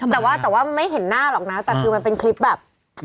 แต่ว่าแต่ว่าไม่เห็นหน้าหรอกนะแต่คือมันเป็นคลิปแบบ